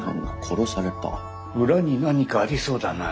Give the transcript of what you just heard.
裏に何かありそうだな。